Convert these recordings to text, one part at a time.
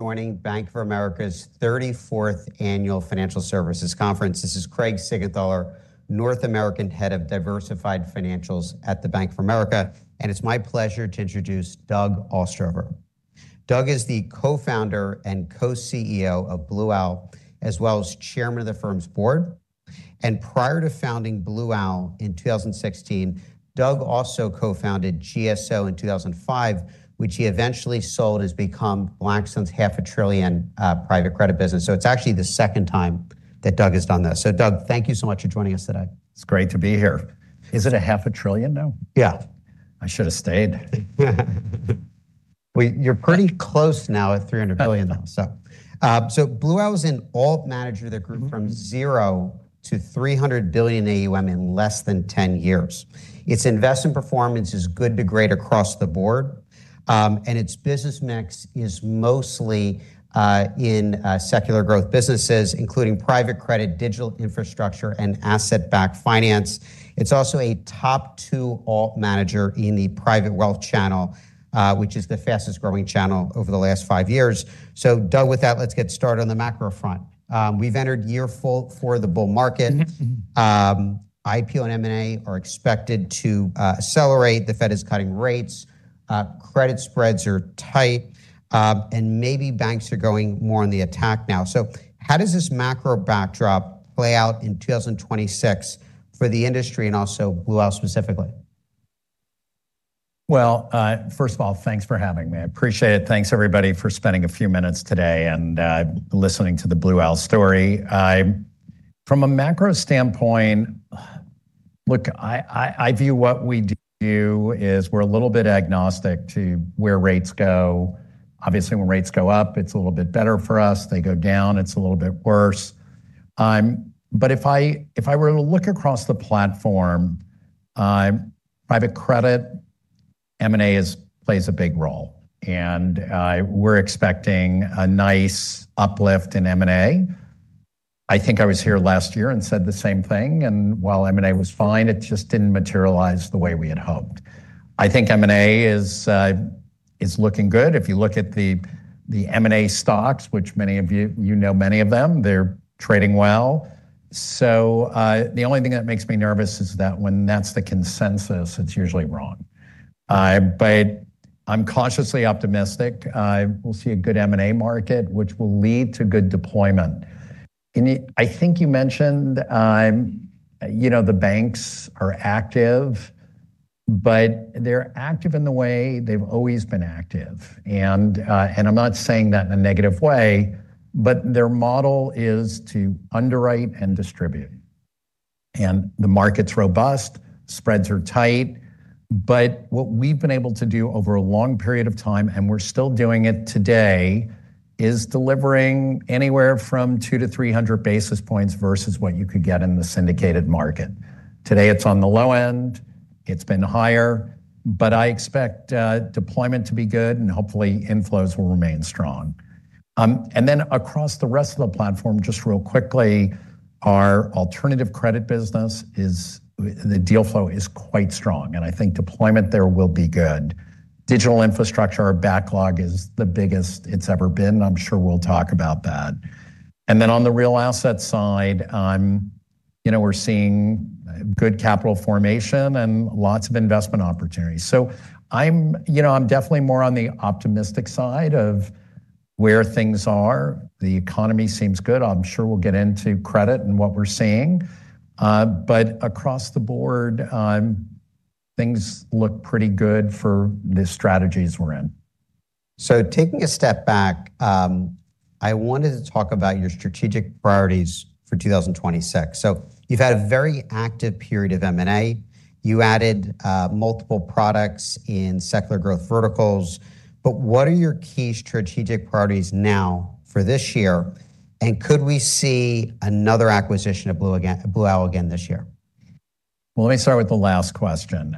Good morning, Bank of America's 34th Annual Financial Services Conference. This is Craig Siegenthaler, North American Head of Diversified Financials at the Bank of America, and it's my pleasure to introduce Doug Ostrover. Doug is the co-founder and co-CEO of Blue Owl, as well as chairman of the firm's board. Prior to founding Blue Owl in 2016, Doug also co-founded GSO in 2005, which he eventually sold, has become Blackstone's $500 billion private credit business. So it's actually the second time that Doug has done this. So Doug, thank you so much for joining us today. It's great to be here. Is it $0.5 trillion now? Yeah. I should have stayed. Well, you're pretty close now at $300 billion. So, so Blue Owl is an alt manager- Mm-hmm - that grew from zero to $300 billion AUM in less than 10 years. Its investment performance is good to great across the board, and its business mix is mostly in secular growth businesses, including private credit, digital infrastructure, and asset-backed finance. It's also a top two alt manager in the private wealth channel, which is the fastest growing channel over the last five years. So Doug, with that, let's get started on the macro front. We've entered year four for the bull market. Mm-hmm, mm-hmm. IPO and M&A are expected to accelerate. The Fed is cutting rates, credit spreads are tight, and maybe banks are going more on the attack now. So how does this macro backdrop play out in 2026 for the industry and also Blue Owl specifically? Well, first of all, thanks for having me. I appreciate it. Thanks, everybody, for spending a few minutes today and listening to the Blue Owl story. From a macro standpoint, look, I view what we do is we're a little bit agnostic to where rates go. Obviously, when rates go up, it's a little bit better for us. They go down, it's a little bit worse. But if I were to look across the platform, private credit, M&A plays a big role, and we're expecting a nice uplift in M&A. I think I was here last year and said the same thing, and while M&A was fine, it just didn't materialize the way we had hoped. I think M&A is looking good. If you look at the M&A stocks, which many of you, you know many of them, they're trading well. So, the only thing that makes me nervous is that when that's the consensus, it's usually wrong. But I'm cautiously optimistic. I will see a good M&A market, which will lead to good deployment. And I think you mentioned, you know, the banks are active, but they're active in the way they've always been active. And I'm not saying that in a negative way, but their model is to underwrite and distribute. And the market's robust, spreads are tight, but what we've been able to do over a long period of time, and we're still doing it today, is delivering anywhere from 200-300 basis points versus what you could get in the syndicated market. Today, it's on the low end, it's been higher, but I expect deployment to be good, and hopefully, inflows will remain strong. And then across the rest of the platform, just real quickly, our alternative credit business is, the deal flow is quite strong, and I think deployment there will be good. Digital infrastructure backlog is the biggest it's ever been, and I'm sure we'll talk about that. And then on the real asset side, you know, we're seeing good capital formation and lots of investment opportunities. So I'm, you know, I'm definitely more on the optimistic side of where things are. The economy seems good. I'm sure we'll get into credit and what we're seeing. But across the board, things look pretty good for the strategies we're in. Taking a step back, I wanted to talk about your strategic priorities for 2026. You've had a very active period of M&A. You added multiple products in secular growth verticals, but what are your key strategic priorities now for this year? And could we see another acquisition of Blue Owl again this year? Well, let me start with the last question.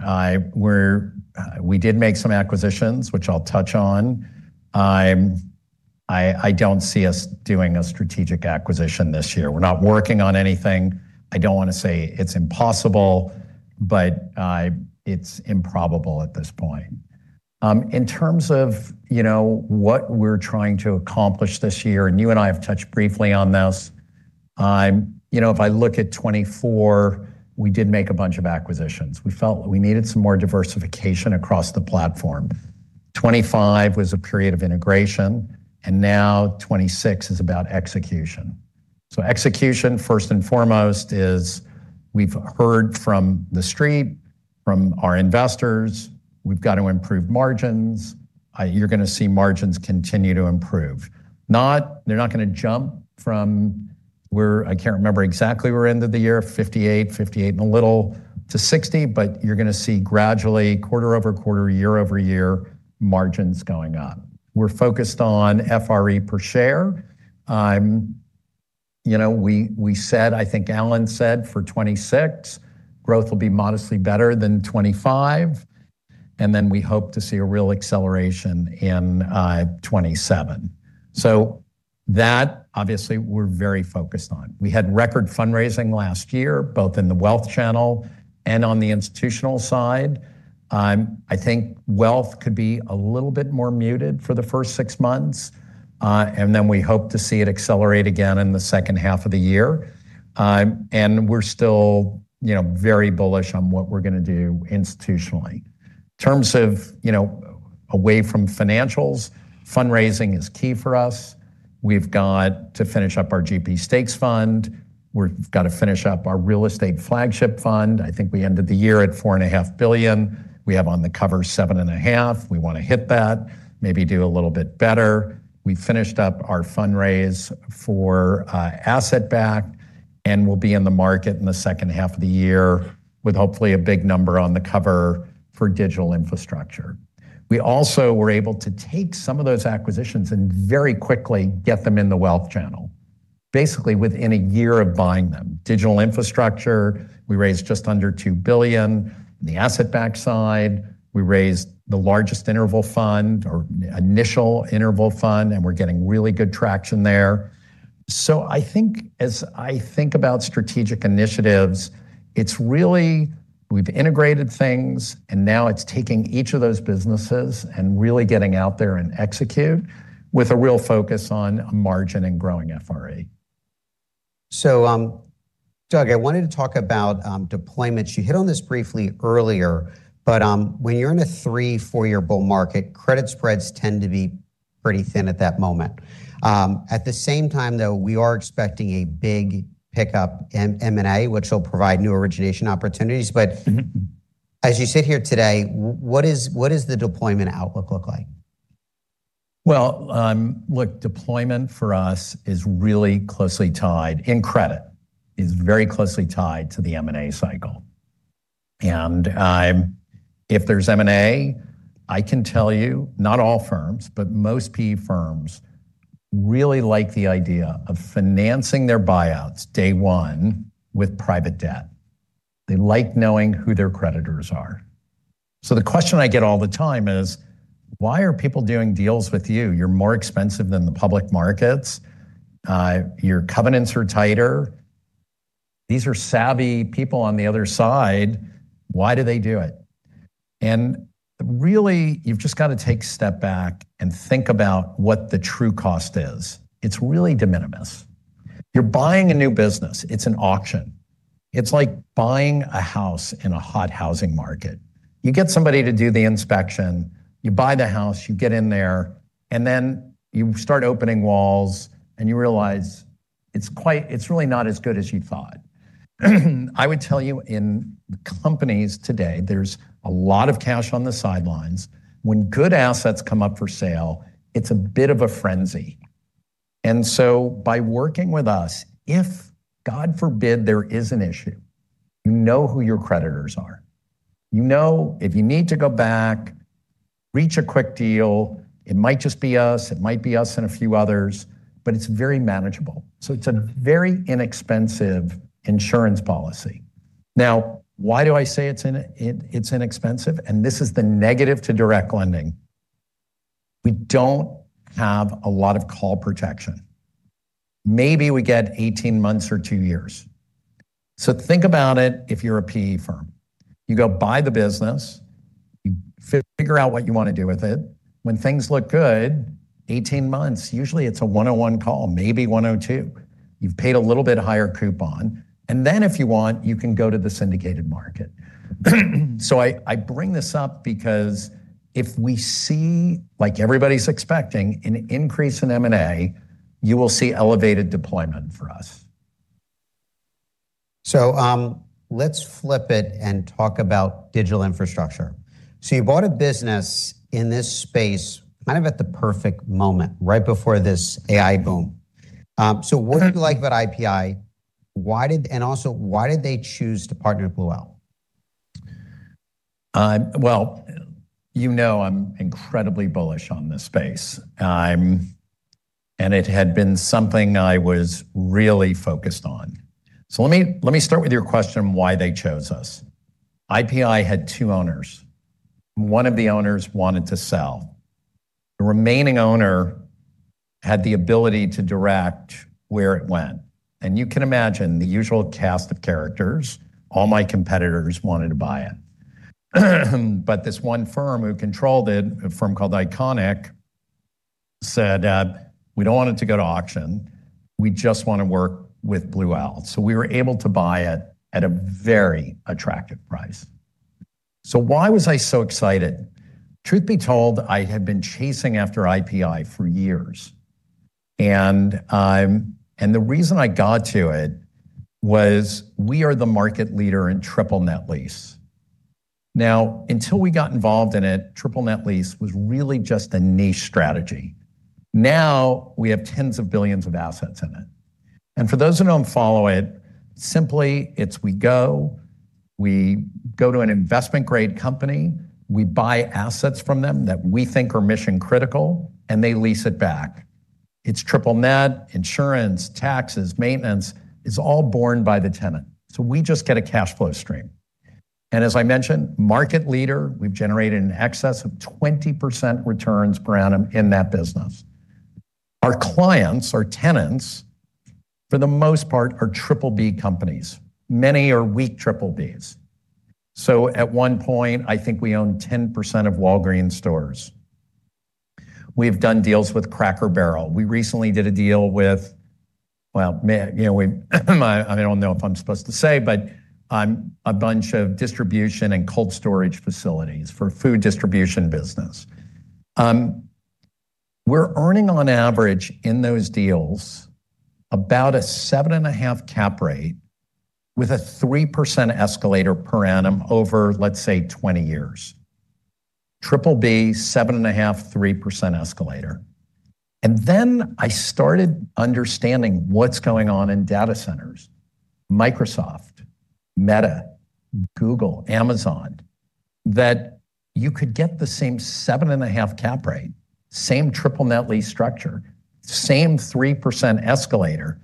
We're we did make some acquisitions, which I'll touch on. I don't see us doing a strategic acquisition this year. We're not working on anything. I don't wanna say it's impossible, but it's improbable at this point. In terms of, you know, what we're trying to accomplish this year, and you and I have touched briefly on this, you know, if I look at 2024, we did make a bunch of acquisitions. We felt we needed some more diversification across the platform. 2025 was a period of integration, and now 2026 is about execution. So execution, first and foremost, is we've heard from the street, from our investors, we've got to improve margins. You're gonna see margins continue to improve. Not-- They're not gonna jump from where... I can't remember exactly we're end of the year, 58, 58 and a little to 60, but you're gonna see gradually, quarter-over-quarter, year-over-year, margins going up. We're focused on FRE per share. You know, we, we said, I think Alan said for 2026, growth will be modestly better than 2025, and then we hope to see a real acceleration in 2027. That, obviously, we're very focused on. We had record fundraising last year, both in the wealth channel and on the institutional side. I think wealth could be a little bit more muted for the first six months, and then we hope to see it accelerate again in the second half of the year. And we're still, you know, very bullish on what we're gonna do institutionally. In terms of, you know, away from financials, fundraising is key for us. We've got to finish up our GP Stakes Fund. We've got to finish up our real estate flagship fund. I think we ended the year at $4.5 billion. We have on the cover $7.5 billion. We want to hit that, maybe do a little bit better. We finished up our fundraise for asset-backed, and we'll be in the market in the second half of the year with hopefully a big number on the cover for digital infrastructure. We also were able to take some of those acquisitions and very quickly get them in the wealth channel, basically within a year of buying them. Digital infrastructure, we raised just under $2 billion. In the asset-backed side, we raised the largest interval fund or initial interval fund, and we're getting really good traction there. So I think as I think about strategic initiatives, it's really, we've integrated things, and now it's taking each of those businesses and really getting out there and execute with a real focus on margin and growing FRE. Doug, I wanted to talk about deployments. You hit on this briefly earlier, but when you're in a three- or four-year bull market, credit spreads tend to be pretty thin at that moment. At the same time, though, we are expecting a big pickup in M&A, which will provide new origination opportunities. Mm-hmm. But as you sit here today, what does the deployment outlook look like? Well, look, deployment for us is really closely tied, in credit, is very closely tied to the M&A cycle. And, if there's M&A, I can tell you, not all firms, but most PE firms really like the idea of financing their buyouts day one with private debt. They like knowing who their creditors are. So the question I get all the time is: Why are people doing deals with you? You're more expensive than the public markets. Your covenants are tighter. These are savvy people on the other side. Why do they do it? And really, you've just got to take a step back and think about what the true cost is. It's really de minimis. You're buying a new business. It's an auction. It's like buying a house in a hot housing market. You get somebody to do the inspection, you buy the house, you get in there, and then you start opening walls, and you realize it's quite, it's really not as good as you thought. I would tell you, in companies today, there's a lot of cash on the sidelines. When good assets come up for sale, it's a bit of a frenzy. And so by working with us, if, God forbid, there is an issue, you know who your creditors are. You know, if you need to go back, reach a quick deal, it might just be us, it might be us and a few others, but it's very manageable. So it's a very inexpensive insurance policy. Now, why do I say it's inexpensive? This is the negative to direct lending. We don't have a lot of call protection. Maybe we get 18 months or two years. So think about it if you're a PE firm. You go buy the business, you figure out what you want to do with it. When things look good, 18 months, usually it's a 101 call, maybe 102. You've paid a little bit higher coupon, and then if you want, you can go to the syndicated market. So I bring this u p because if we see, like everybody's expecting, an increase in M&A, you will see elevated deployment for us. So, let's flip it and talk about digital infrastructure. So you bought a business in this space kind of at the perfect moment, right before this AI boom. So what do you like about IPI? Why did... And also, why did they choose to partner with Blue Owl? Well, you know, I'm incredibly bullish on this space. It had been something I was really focused on. So let me, let me start with your question, why they chose us. IPI had two owners. One of the owners wanted to sell. The remaining owner had the ability to direct where it went, and you can imagine the usual cast of characters. All my competitors wanted to buy it. But this one firm who controlled it, a firm called ICONIQ, said, "We don't want it to go to auction. We just want to work with Blue Owl." So we were able to buy it at a very attractive price. So why was I so excited? Truth be told, I had been chasing after IPI for years, and the reason I got to it was we are the market leader in triple net lease. Now, until we got involved in it, triple-net lease was really just a niche strategy. Now, we have tens of billions of assets in it. And for those who don't follow it, simply, it's we go, we go to an investment-grade company, we buy assets from them that we think are mission-critical, and they lease it back. It's triple-net, insurance, taxes, maintenance, it's all borne by the tenant. So we just get a cash flow stream.... And as I mentioned, market leader, we've generated an excess of 20% returns per annum in that business. Our clients, our tenants, for the most part, are triple-B companies. Many are weak triple-Bs. So at one point, I think we owned 10% of Walgreens stores. We've done deals with Cracker Barrel. We recently did a deal with, well, you know, I don't know if I'm supposed to say, but a bunch of distribution and cold storage facilities for food distribution business. We're earning on average in those deals about a 7.5 cap rate, with a 3% escalator per annum over, let's say, 20 years. Triple-B, 7.5, 3% escalator. And then I started understanding what's going on in data centers, Microsoft, Meta, Google, Amazon, that you could get the same 7.5 cap rate, same triple net lease structure, same 3% escalator.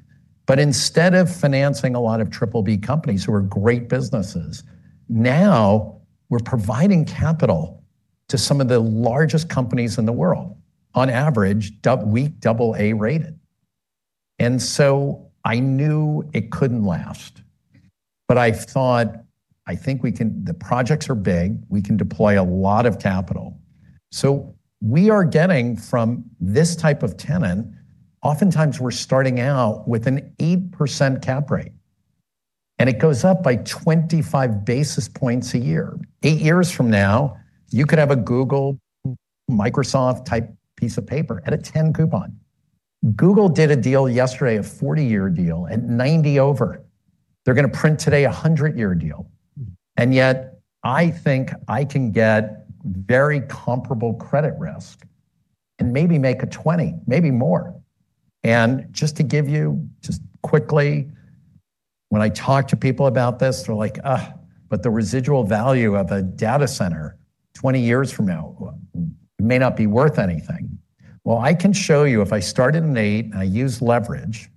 But instead of financing a lot of triple-B companies who are great businesses, now we're providing capital to some of the largest companies in the world, on average, true weak double-A rated. And so I knew it couldn't last, but I thought, I think we can—the projects are big. We can deploy a lot of capital. So we are getting from this type of tenant, oftentimes, we're starting out with an 8% cap rate, and it goes up by 25 basis points a year. Eight years from now, you could have a Google, Microsoft-type piece of paper at a 10 coupon. Google did a deal yesterday, a 40-year deal at 90 over. They're gonna print today a 100-year deal, and yet I think I can get very comparable credit risk and maybe make a 20, maybe more. And just to give you, just quickly, when I talk to people about this, they're like, "Ugh, but the residual value of a data center 20 years from now may not be worth anything." Well, I can show you, if I start at an eight and I use leverage,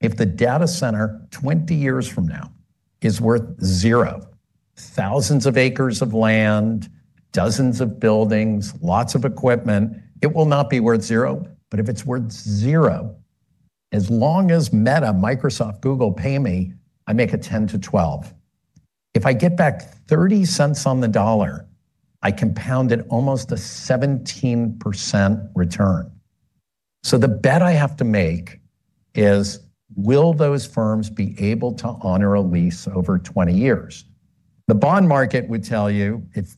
if the data center, 20 years from now, is worth zero, thousands of acres of land, dozens of buildings, lots of equipment, it will not be worth zero. But if it's worth zero, as long as Meta, Microsoft, Google pay me, I make a 10%-12%. If I get back $0.30 on the dollar, I compounded almost a 17% return. So the bet I have to make is: Will those firms be able to honor a lease over 20 years? The bond market would tell you, if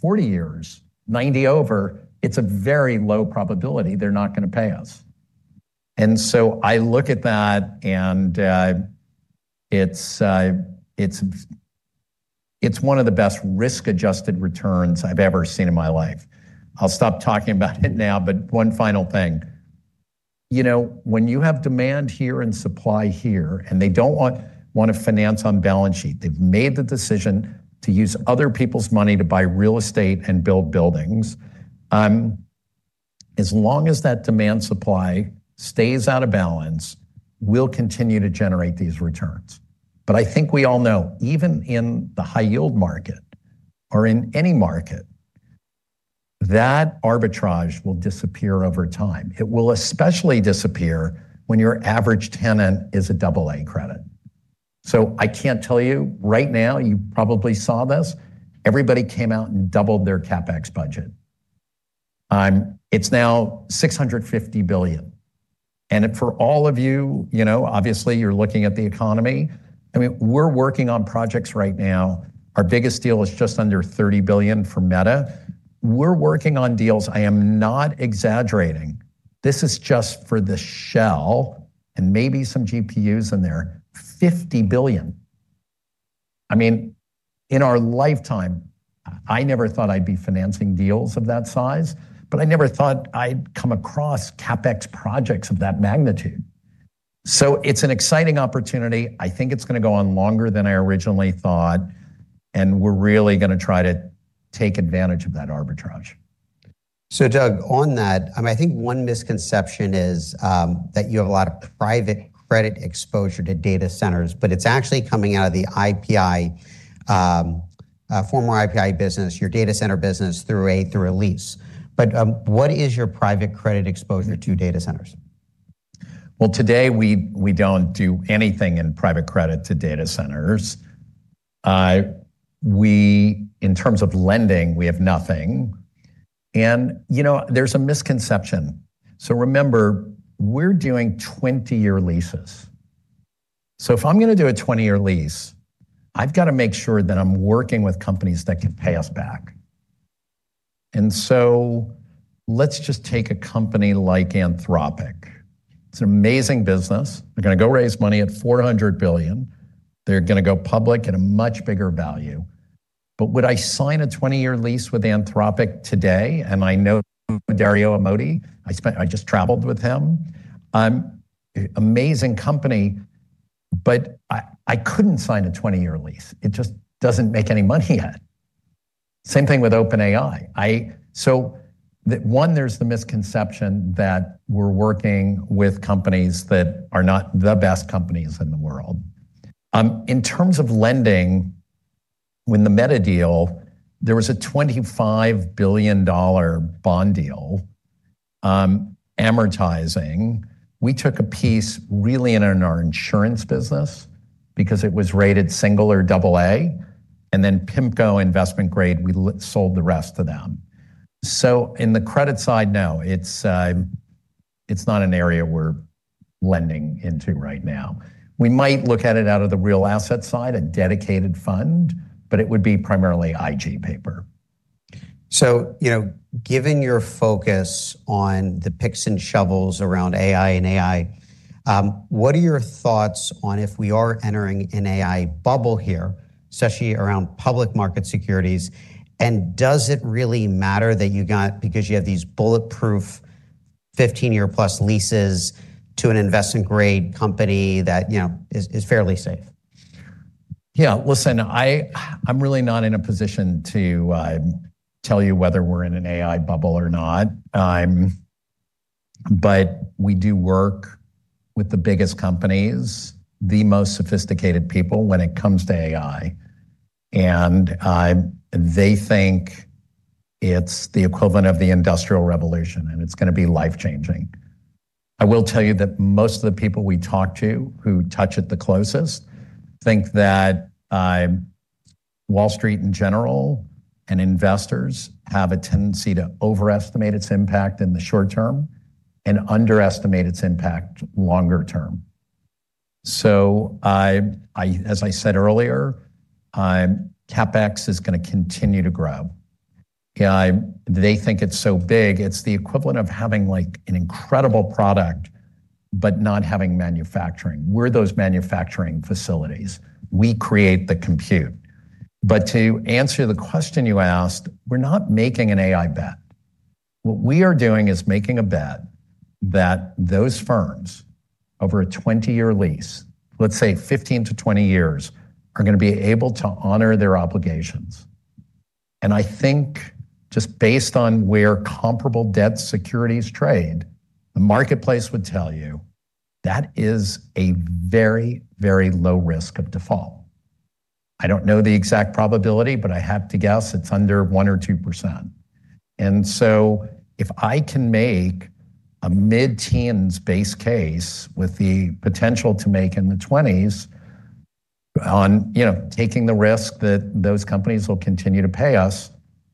40 years, 90 over, it's a very low probability they're not gonna pay us. And so I look at that, and it's one of the best risk-adjusted returns I've ever seen in my life. I'll stop talking about it now, but one final thing. You know, when you have demand here and supply here, and they don't wanna finance on balance sheet, they've made the decision to use other people's money to buy real estate and build buildings, as long as that demand supply stays out of balance, we'll continue to generate these returns. But I think we all know, even in the high yield market or in any market, that arbitrage will disappear over time. It will especially disappear when your average tenant is a double A credit. So I can't tell you, right now, you probably saw this, everybody came out and doubled their CapEx budget. It's now $650 billion, and for all of you, you know, obviously you're looking at the economy. I mean, we're working on projects right now. Our biggest deal is just under $30 billion for Meta. We're working on deals, I am not exaggerating, this is just for the shell and maybe some GPUs in there, $50 billion. I mean, in our lifetime, I never thought I'd be financing deals of that size, but I never thought I'd come across CapEx projects of that magnitude. So it's an exciting opportunity. I think it's gonna go on longer than I originally thought, and we're really gonna try to take advantage of that arbitrage. So Doug, on that, I think one misconception is that you have a lot of private credit exposure to data centers, but it's actually coming out of the IPI, former IPI business, your data center business, through a lease. But, what is your private credit exposure to data centers? Well, today, we don't do anything in private credit to data centers. We in terms of lending have nothing, and you know, there's a misconception. So remember, we're doing 20-year leases. So if I'm gonna do a 20-year lease, I've gotta make sure that I'm working with companies that can pay us back. And so let's just take a company like Anthropic. It's an amazing business. They're gonna go raise money at $400 billion. They're gonna go public at a much bigger value. But would I sign a 20-year lease with Anthropic today? And I know Dario Amodei. I spent. I just traveled with him. Amazing company, but I couldn't sign a 20-year lease. It just doesn't make any money yet. Same thing with OpenAI. So, one, there's the misconception that we're working with companies that are not the best companies in the world. In terms of lending, when the Meta deal, there was a $25 billion bond deal, amortizing. We took a piece really in our insurance business because it was rated single or double A, and then PIMCO investment grade, we sold the rest to them. So in the credit side, no, it's not an area we're lending into right now. We might look at it out of the real asset side, a dedicated fund, but it would be primarily IG paper. So, you know, given your focus on the picks and shovels around AI and AI, what are your thoughts on if we are entering an AI bubble here, especially around public market securities? And does it really matter that you, because you have these bulletproof 15 year+ leases to an investment-grade company that, you know, is fairly safe? Yeah. Listen, I, I'm really not in a position to tell you whether we're in an AI bubble or not. But we do work with the biggest companies, the most sophisticated people when it comes to AI, and they think it's the equivalent of the Industrial Revolution, and it's gonna be life-changing. I will tell you that most of the people we talk to, who touch it the closest, think that Wall Street in general and investors have a tendency to overestimate its impact in the short term and underestimate its impact longer term. So I, I, as I said earlier, CapEx is gonna continue to grow. They think it's so big, it's the equivalent of having, like, an incredible product, but not having manufacturing. We're those manufacturing facilities. We create the compute. But to answer the question you asked, we're not making an AI bet. What we are doing is making a bet that those firms, over a 20-year lease, let's say 15-20 years, are gonna be able to honor their obligations. And I think just based on where comparable debt securities trade, the marketplace would tell you that is a very, very low risk of default. I don't know the exact probability, but I have to guess it's under 1%-2%. And so if I can make a mid-teens base case with the potential to make in the 20s on, you know, taking the risk that those companies will continue to pay us,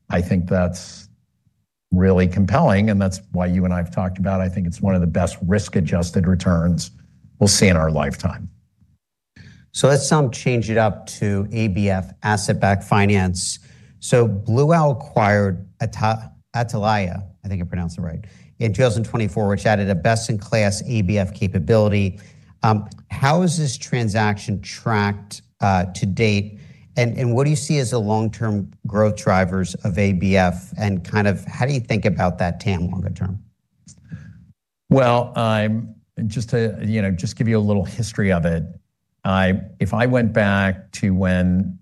I think that's really compelling, and that's why you and I have talked about, I think it's one of the best risk-adjusted returns we'll see in our lifetime. So let's switch it up to ABF, asset-backed finance. So Blue Owl acquired Atalaya, I think I pronounced it right, in 2024, which added a best-in-class ABF capability. How is this transaction tracked to date, and what do you see as the long-term growth drivers of ABF, and kind of how do you think about that TAM longer term? Well, just to, you know, just give you a little history of it, if I went back to when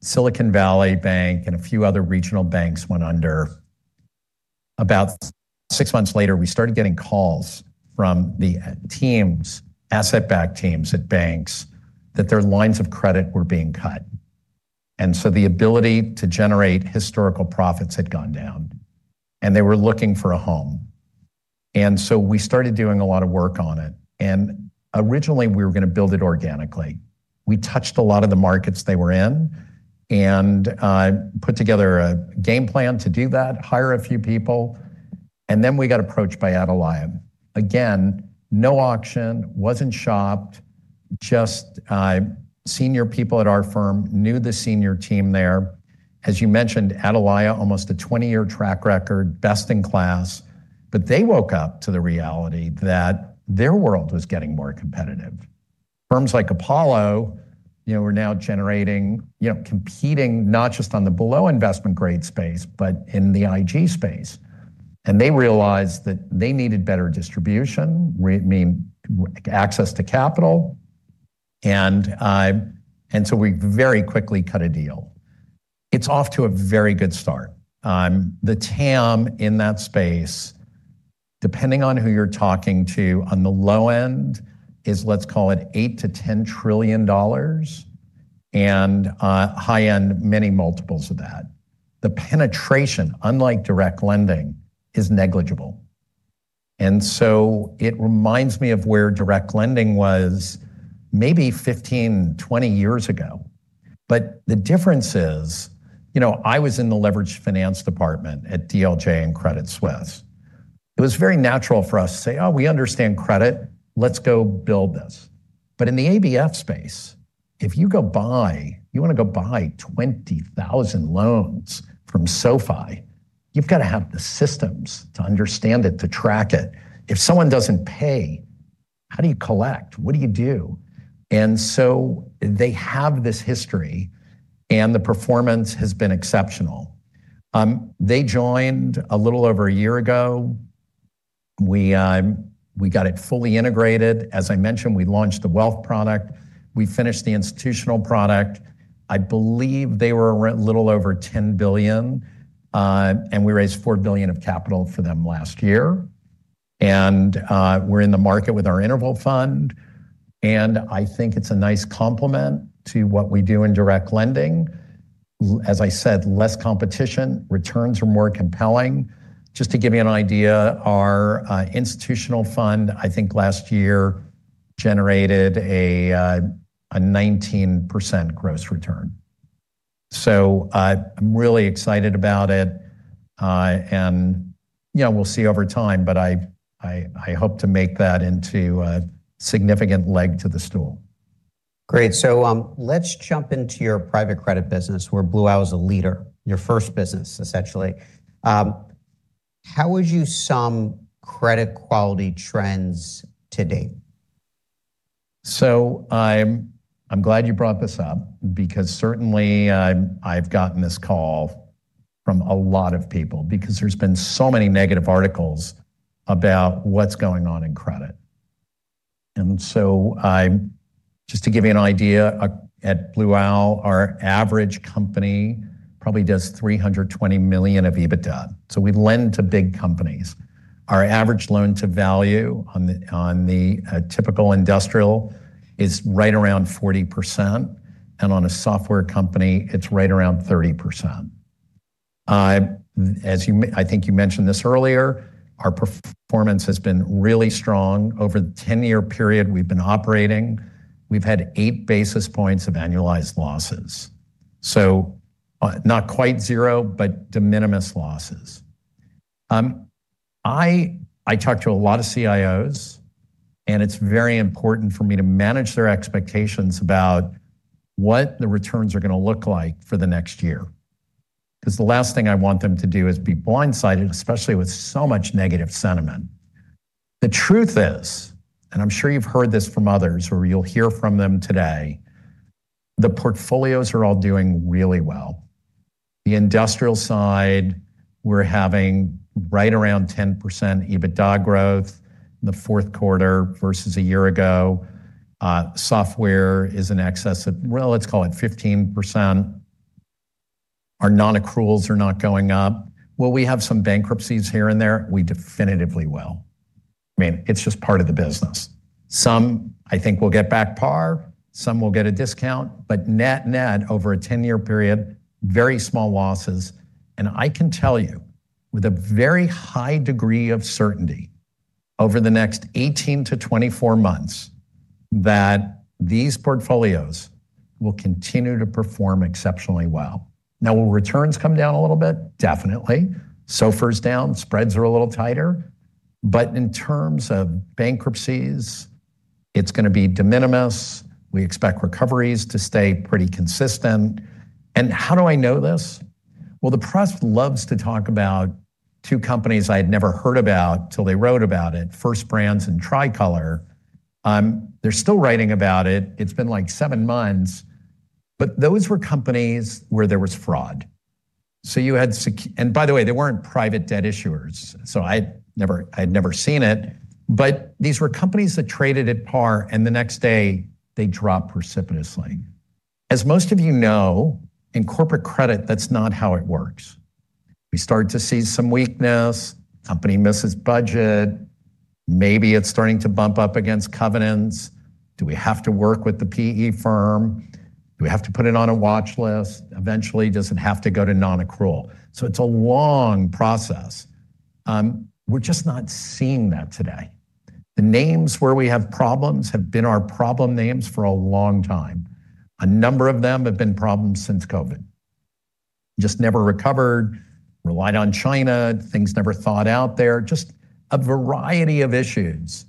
Silicon Valley Bank and a few other regional banks went under, about six months later, we started getting calls from the teams, asset-backed teams at banks, that their lines of credit were being cut, and so the ability to generate historical profits had gone down, and they were looking for a home. And so we started doing a lot of work on it, and originally, we were gonna build it organically. We touched a lot of the markets they were in, and put together a game plan to do that, hire a few people, and then we got approached by Atalaya. Again, no auction, wasn't shopped, just senior people at our firm knew the senior team there. As you mentioned, Atalaya, almost a 20-year track record, best-in-class, but they woke up to the reality that their world was getting more competitive. Firms like Apollo, you know, were now generating, you know, competing not just on the below-investment-grade space, but in the IG space, and they realized that they needed better distribution, I mean, access to capital, and so we very quickly cut a deal. It's off to a very good start. The TAM in that space, depending on who you're talking to, on the low end, is, let's call it $8 trillion-$10 trillion, and high-end, many multiples of that. The penetration, unlike direct lending, is negligible, and so it reminds me of where direct lending was maybe 15, 20 years ago. But the difference is, you know, I was in the leveraged finance department at DLJ and Credit Suisse. It was very natural for us to say, "Oh, we understand credit. Let's go build this." But in the ABF space, if you go buy, you wanna go buy 20,000 loans from SoFi, you've got to have the systems to understand it, to track it. If someone doesn't pay, how do you collect? What do you do? And so they have this history, and the performance has been exceptional.... They joined a little over a year ago. We got it fully integrated. As I mentioned, we launched the wealth product, we finished the institutional product. I believe they were a little over $10 billion, and we raised $4 billion of capital for them last year, and we're in the market with our interval fund, and I think it's a nice complement to what we do in direct lending. As I said, less competition, returns are more compelling. Just to give you an idea, our institutional fund, I think, last year, generated a 19% gross return. So, I'm really excited about it, and, you know, we'll see over time, but I hope to make that into a significant leg to the stool. Great, so, let's jump into your private credit business, where Blue Owl is a leader, your first business, essentially. How would you sum credit quality trends to date? So I'm glad you brought this up, because certainly, I've gotten this call from a lot of people because there's been so many negative articles about what's going on in credit. And so I'm just to give you an idea, at Blue Owl, our average company probably does $320 million of EBITDA. So we lend to big companies. Our average loan-to-value on the, on the, typical industrial is right around 40%, and on a software company, it's right around 30%. As you mentioned this earlier, our performance has been really strong. Over the 10-year period we've been operating, we've had 8 basis points of annualized losses, so, not quite zero, but de minimis losses. I talk to a lot of CIOs, and it's very important for me to manage their expectations about what the returns are gonna look like for the next year, 'cause the last thing I want them to do is be blindsided, especially with so much negative sentiment. The truth is, and I'm sure you've heard this from others, or you'll hear from them today, the portfolios are all doing really well. The industrial side, we're having right around 10% EBITDA growth in the fourth quarter versus a year ago. Software is in excess of, well, let's call it 15%. Our non-accruals are not going up. Will we have some bankruptcies here and there? We definitely will. I mean, it's just part of the business. Some, I think, will get back par, some will get a discount, but net-net, over a 10-year period, very small losses. And I can tell you, with a very high degree of certainty, over the next 18-24 months, that these portfolios will continue to perform exceptionally well. Now, will returns come down a little bit? Definitely. SOFR is down, spreads are a little tighter, but in terms of bankruptcies, it's gonna be de minimis. We expect recoveries to stay pretty consistent. And how do I know this? Well, the press loves to talk about two companies I'd never heard about till they wrote about it, First Brands and Tricolor. They're still writing about it. It's been, like, 7 months, but those were companies where there was fraud. So you had, and by the way, they weren't private debt issuers, so I'd never, I'd never seen it, but these were companies that traded at par, and the next day, they dropped precipitously. As most of you know, in corporate credit, that's not how it works. We start to see some weakness, company misses budget, maybe it's starting to bump up against covenants. Do we have to work with the PE firm? Do we have to put it on a watchlist? Eventually, does it have to go to non-accrual? So it's a long process. We're just not seeing that today. The names where we have problems have been our problem names for a long time. A number of them have been problems since COVID. Just never recovered, relied on China, things never thought out there, just a variety of issues.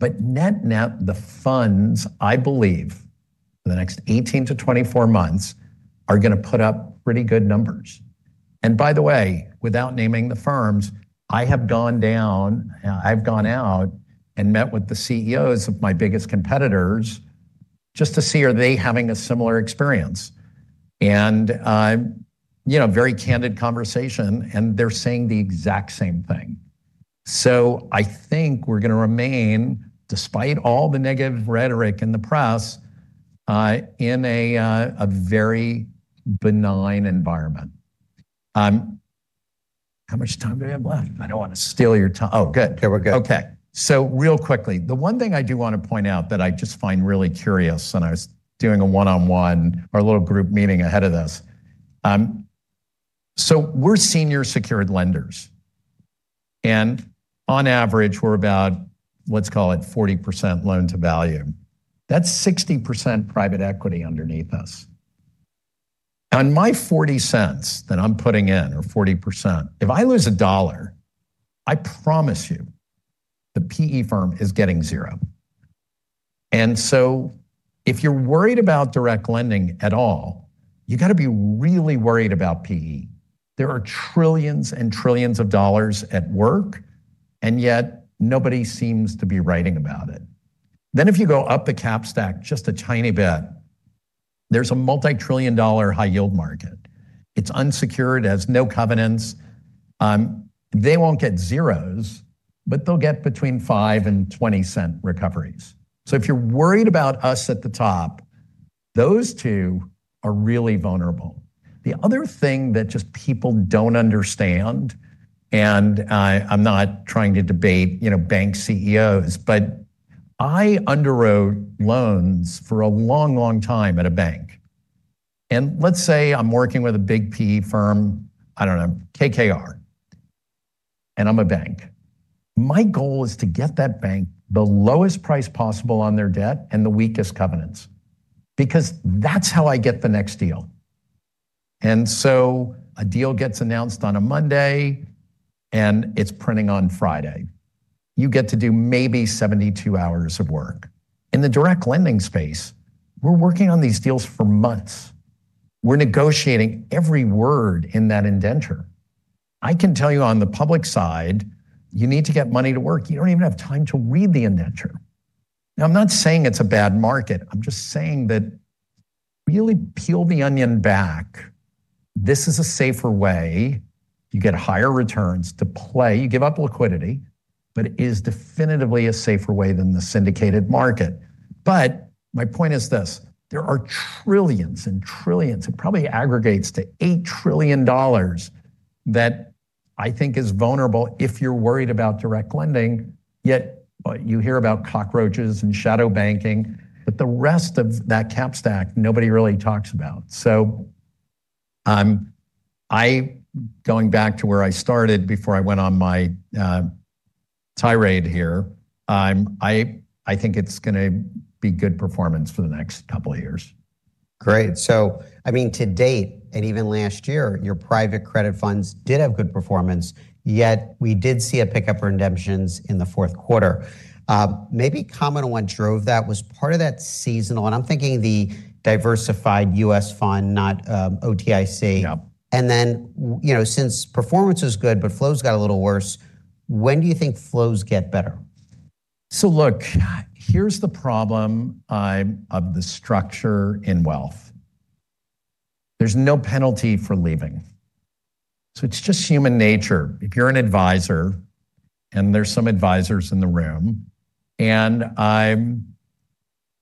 But net-net, the funds, I believe, for the next 18-24 months, are gonna put up pretty good numbers. And by the way, without naming the firms, I have gone down, I've gone out and met with the CEOs of my biggest competitors just to see: Are they having a similar experience? And, you know, very candid conversation, and they're saying the exact same thing. So I think we're gonna remain, despite all the negative rhetoric in the press, in a very benign environment. How much time do I have left? I don't want to steal your time. Oh, good. Okay, we're good. Okay, so real quickly, the one thing I do want to point out that I just find really curious, when I was doing a one-on-one or a little group meeting ahead of this. So we're senior secured lenders, and on average, we're about, let's call it 40% loan-to-value. That's 60% private equity underneath us. On my $0.40 that I'm putting in, or 40%, if I lose $1, I promise you, the PE firm is getting zero. And so if you're worried about direct lending at all, you've got to be really worried about PE. There are trillions and trillions of dollars at work, and yet nobody seems to be writing about it. Then if you go up the cap stack just a tiny bit, there's a multi-trillion-dollar high yield market. It's unsecured, it has no covenants. They won't get zeros, but they'll get between 5- and 20-cent recoveries. So if you're worried about us at the top, those two are really vulnerable. The other thing that just people don't understand, and I, I'm not trying to debate, you know, bank CEOs, but I underwrote loans for a long, long time at a bank. Let's say I'm working with a big PE firm, I don't know, KKR, and I'm a bank. My goal is to get that bank the lowest price possible on their debt and the weakest covenants, because that's how I get the next deal. So a deal gets announced on a Monday, and it's printing on Friday. You get to do maybe 72 hours of work. In the direct lending space, we're working on these deals for months. We're negotiating every word in that indenture. I can tell you, on the public side, you need to get money to work. You don't even have time to read the indenture. Now, I'm not saying it's a bad market, I'm just saying that really peel the onion back, this is a safer way. You get higher returns to play. You give up liquidity, but it is definitively a safer way than the syndicated market. But my point is this: there are trillions and trillions, it probably aggregates to $8 trillion, that I think is vulnerable if you're worried about direct lending, yet, well, you hear about cockroaches and shadow banking, but the rest of that cap stack, nobody really talks about. So, going back to where I started before I went on my, tirade here, I, I think it's gonna be good performance for the next couple of years. Great. So I mean, to date, and even last year, your private credit funds did have good performance, yet we did see a pickup in redemptions in the fourth quarter. Maybe comment on what drove that was part of that seasonal, and I'm thinking the diversified U.S. fund, not OTIC. Yep. You know, since performance is good, but flows got a little worse, when do you think flows get better? So look, here's the problem of the structure in wealth. There's no penalty for leaving, so it's just human nature. If you're an advisor, and there's some advisors in the room, and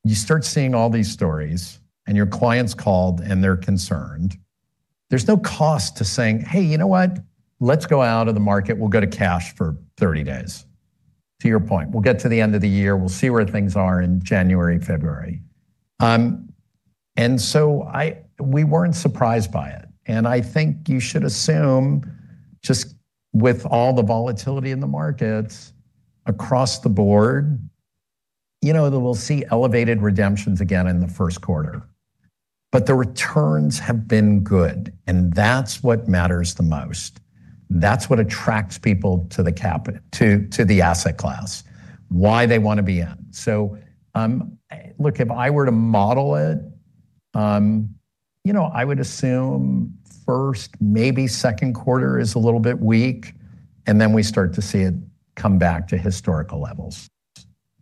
you start seeing all these stories, and your clients called, and they're concerned, there's no cost to saying, "Hey, you know what? Let's go out of the market. We'll go to cash for 30 days." To your point, we'll get to the end of the year, we'll see where things are in January, February. And so we weren't surprised by it, and I think you should assume, just with all the volatility in the markets across the board, you know, that we'll see elevated redemptions again in the first quarter. But the returns have been good, and that's what matters the most. That's what attracts people to the capital to the asset class, why they want to be in. So, look, if I were to model it, you know, I would assume first, maybe second quarter is a little bit weak, and then we start to see it come back to historical levels.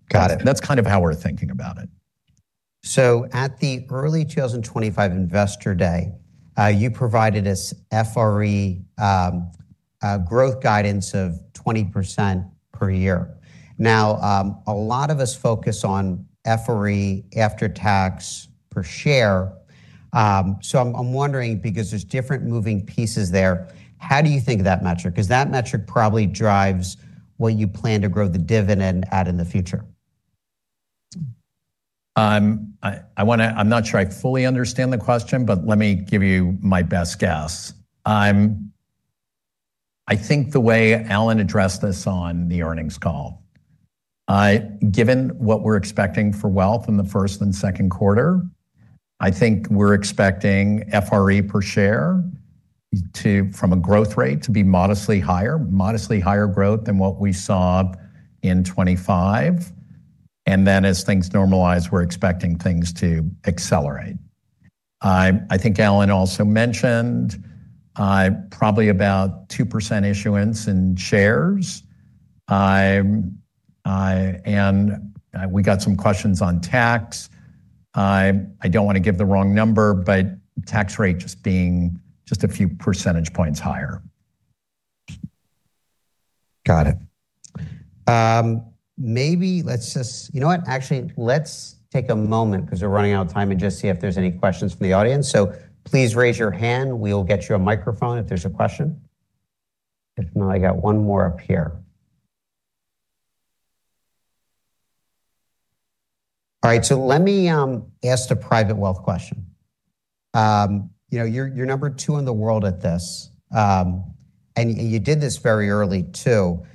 Got it. That's kind of how we're thinking about it. So at the early 2025 Investor Day, you provided us FRE growth guidance of 20% per year. Now, a lot of us focus on FRE after tax per share. So I'm wondering, because there's different moving pieces there, how do you think of that metric? Because that metric probably drives what you plan to grow the dividend at in the future. I'm not sure I fully understand the question, but let me give you my best guess. I think the way Alan addressed this on the earnings call, given what we're expecting for wealth in the first and second quarter, I think we're expecting FRE per share to, from a growth rate, to be modestly higher, modestly higher growth than what we saw in 2025. And then as things normalize, we're expecting things to accelerate. I think Alan also mentioned, probably about 2% issuance in shares. And we got some questions on tax. I don't want to give the wrong number, but tax rate just being just a few percentage points higher. Got it. Maybe let's just... You know what? Actually, let's take a moment, because we're running out of time, and just see if there's any questions from the audience. So please raise your hand. We'll get you a microphone if there's a question. If not, I got one more up here. All right, so let me ask a private wealth question. You know, you're number two in the world at this, and you did this very early, too.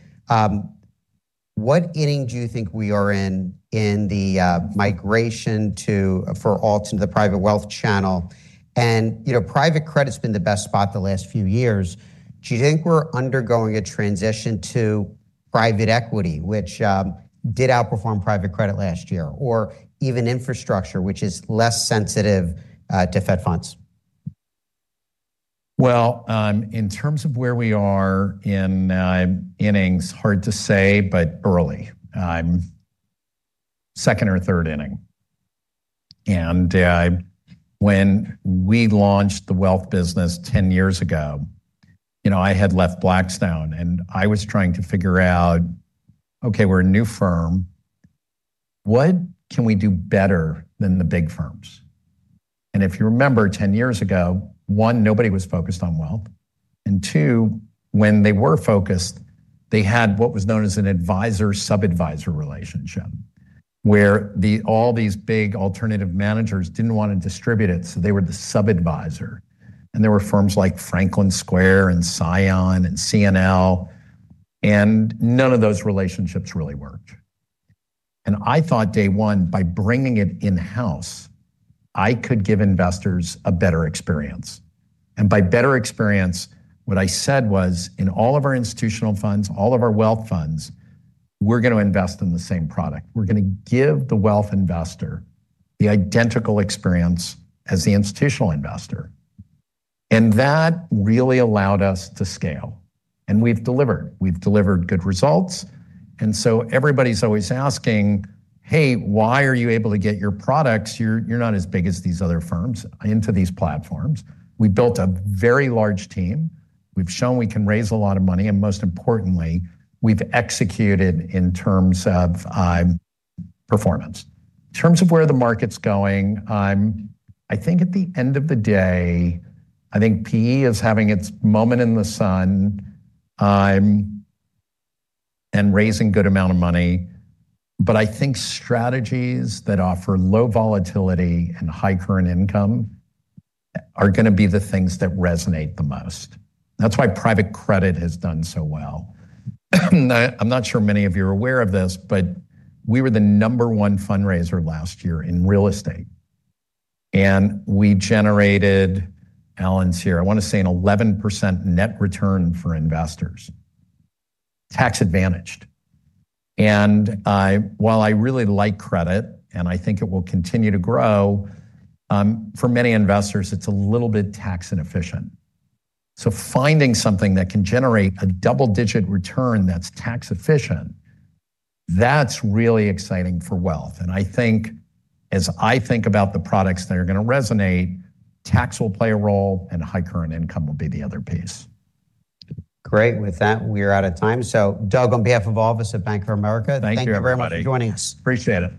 What inning do you think we are in, in the migration to for alts to the private wealth channel? And, you know, private credit's been the best spot the last few years. Do you think we're undergoing a transition to private equity, which did outperform private credit last year, or even infrastructure, which is less sensitive to Fed funds? ... Well, in terms of where we are in innings, hard to say, but early. I'm second or third inning. And when we launched the wealth business 10 years ago, you know, I had left Blackstone, and I was trying to figure out, okay, we're a new firm, what can we do better than the big firms? And if you remember, 10 years ago, one, nobody was focused on wealth, and two, when they were focused, they had what was known as an advisor-sub-advisor relationship, where the- all these big alternative managers didn't want to distribute it, so they were the sub-advisor. And there were firms like Franklin Square, and CION, and CNL, and none of those relationships really worked. And I thought, day one, by bringing it in-house, I could give investors a better experience. By better experience, what I said was, "In all of our institutional funds, all of our wealth funds, we're gonna invest in the same product. We're gonna give the wealth investor the identical experience as the institutional investor." That really allowed us to scale, and we've delivered. We've delivered good results, and so everybody's always asking, "Hey, why are you able to get your products, you're, you're not as big as these other firms, into these platforms?" We've built a very large team. We've shown we can raise a lot of money, and most importantly, we've executed in terms of performance. In terms of where the market's going, I think at the end of the day, I think PE is having its moment in the sun, and raising good amount of money, but I think strategies that offer low volatility and high current income are gonna be the things that resonate the most. That's why private credit has done so well. I'm not sure many of you are aware of this, but we were the number one fundraiser last year in real estate. And we generated, Alan's here, I wanna say an 11% net return for investors, tax advantaged. And I, while I really like credit, and I think it will continue to grow, for many investors, it's a little bit tax inefficient. So finding something that can generate a double-digit return that's tax efficient, that's really exciting for wealth. I think, as I think about the products that are gonna resonate, tax will play a role, and high current income will be the other piece. Great. With that, we are out of time. So Doug, on behalf of all of us at Bank of America- Thank you, everybody.... thank you very much for joining us. Appreciate it.